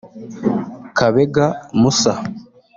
Kabega Musa